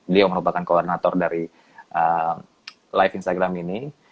beliau merupakan koordinator dari live instagram ini